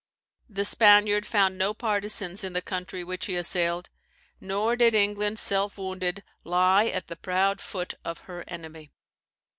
The Spaniard found no partisans in the country which he assailed, nor did England, self wounded, "Lie at the proud foot of her enemy."